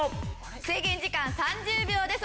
制限時間３０秒です。